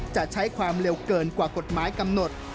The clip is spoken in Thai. จะใช้ความเร็วเกินกว่ากฎหมายกำหนด